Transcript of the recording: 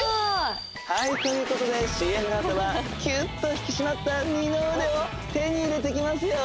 はいということでＣＭのあとはキュッと引き締まった二の腕を手に入れてきますよ